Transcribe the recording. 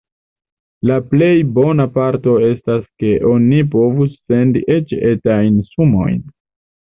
La plej bona parto estas ke oni povus sendi eĉ etajn sumojn.